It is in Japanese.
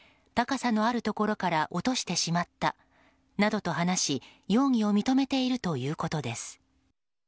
高さのあるところから落としてしまったなどと話し容疑を認めているということです。